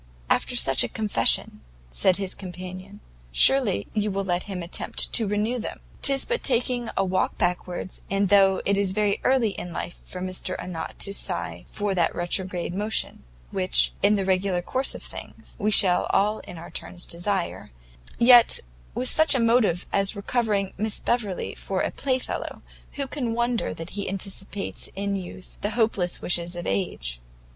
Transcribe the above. "After such a confession," said his companion, "surely you will let him attempt to renew them? 'tis but taking a walk backwards; and though it is very early in life for Mr Arnott to sigh for that retrograde motion, which, in the regular course of things, we shall all in our turns desire, yet with such a motive as recovering Miss Beverley for a playfellow, who can wonder that he anticipates in youth the hopeless wishes of age?"